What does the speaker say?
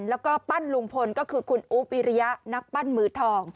แล้วก็ปั้นลุงพลก็คือคุณอุ๊ปิริยะนักปั้นมือทอง